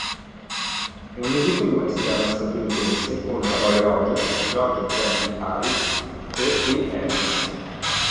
È un musical western statunitense con Roy Rogers, George 'Gabby' Hayes e Dale Evans.